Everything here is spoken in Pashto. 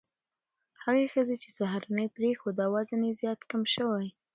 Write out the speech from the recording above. هغه ښځې چې سهارنۍ پرېښوده، وزن یې زیات کم شو.